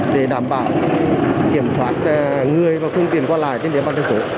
để đảm bảo kiểm soát người và không tiền qua lại đến địa bàn thành phố